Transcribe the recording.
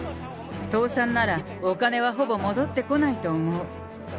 倒産ならお金はほぼ戻ってこないと思う。